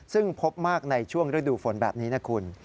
ซึ่งพบมากในช่วงฤดูฝนแบบนี้นะคุณ